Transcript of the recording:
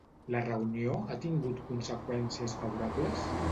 La reunió ha tingut conseqüències favorables?